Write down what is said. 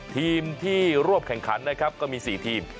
ทีมที่ร่วมแข่งขันนะครับก็มี๔ทีม